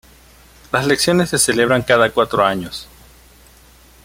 Las elecciones se celebran cada cuatro años.